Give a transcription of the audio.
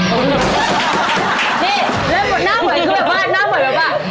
นี่แล้วหน้าหวยก็แบบว่าหน้าหวยแบบว่า